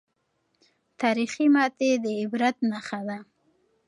تاریخي ماتې د عبرت نښه ده.